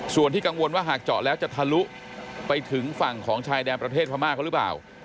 ส่วนที่กังวลว่าหากเจาะแล้วจะทะลุไปถึงฝั่งของชายแดนประเทศพม่าเขาหรือเปล่า